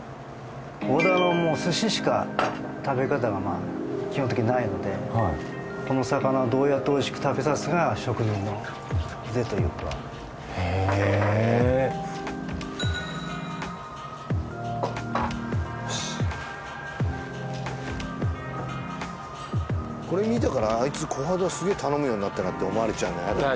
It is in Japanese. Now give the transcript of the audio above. こはだはもう寿司しか食べ方が基本的にないのでこの魚をどうやっておいしく食べさすかが職人の腕というかへえーこれ見てからあいつこはだすげえ頼むようになったなって思われちゃうの嫌だね